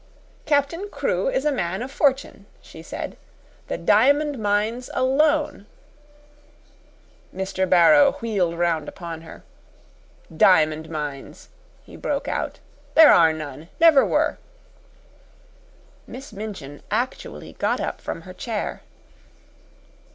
"Captain Crewe is a man of fortune," she said. "The diamond mines alone " Mr. Barrow wheeled round upon her. "Diamond mines!" he broke out. "There are none! Never were!" Miss Minchin actually got up from her chair.